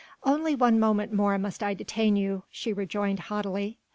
"Only one moment more must I detain you," she rejoined haughtily.